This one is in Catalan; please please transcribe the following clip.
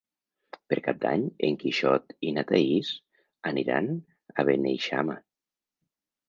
Per Cap d'Any en Quixot i na Thaís aniran a Beneixama.